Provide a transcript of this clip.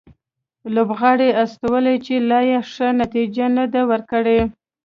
لوبغاړي استولي چې لا یې ښه نتیجه نه ده ورکړې